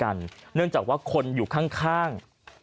ของเค้าเองเหมือนกันเนื่องจากว่าคนอยู่ข้าง